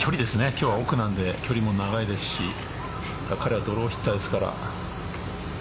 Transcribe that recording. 今日は距離も長いですし彼はドローヒッターですから。